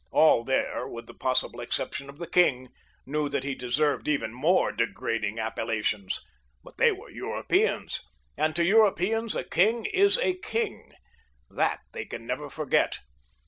All there, with the possible exception of the king, knew that he deserved even more degrading appellations; but they were Europeans, and to Europeans a king is a king—that they can never forget.